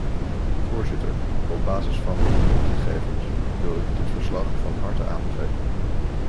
Voorzitter, op basis van de genoemde gegevens wil ik dit verslag van harte aanbevelen.